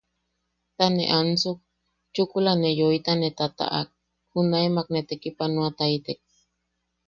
Ta ne ansuk, chukula ne yoita ne tataʼak junaemak ne tekipanoataitek.